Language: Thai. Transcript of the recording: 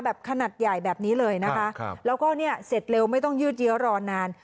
แบบขนาดใหญ่แบบนี้เลยนะคะครับแล้วก็เนี่ยเสร็จเร็วไม่ต้องยืดเยอะรอนาน